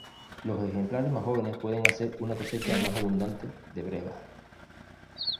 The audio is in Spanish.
Los ejemplares más jóvenes pueden hacer una cosecha más abundante de brevas.